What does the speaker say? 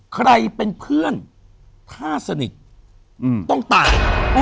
ใครเป็นเพื่อนถ้าสนิทต้องตาย